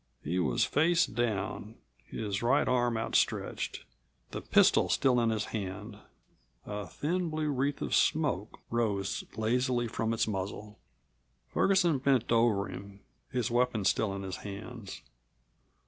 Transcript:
He was face down, his right arm outstretched, the pistol still in his hand. A thin, blue wreath of smoke rose lazily from its muzzle. Ferguson bent over him, his weapons still in his hands.